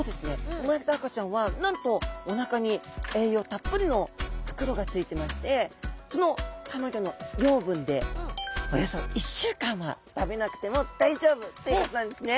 産まれた赤ちゃんはなんとおなかに栄養たっぷりの袋がついてましてそのたまギョの養分でおよそ１週間は食べなくても大丈夫ということなんですね。